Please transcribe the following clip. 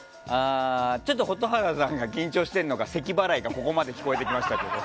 ちょっと蛍原さんが緊張しているのかせき払いがここまで聞こえてきましたけど。